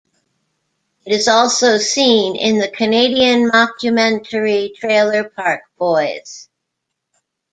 It is also seen in the Canadian mockumentary "Trailer Park Boys".